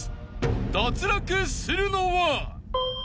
［脱落するのは？］